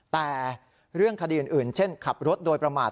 แต่เรื่องคดีอื่นเช่นขับรถโดยประมาท